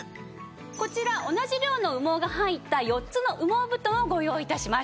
こちら同じ量の羽毛が入った４つの羽毛布団をご用意致しました。